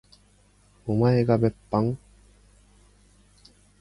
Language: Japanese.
おまえが別班？